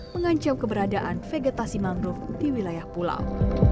mengancam keberadaan vegetasi mangrove di wilayah pulau